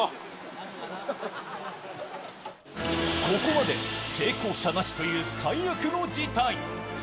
ここまで成功者なしという最悪の事態。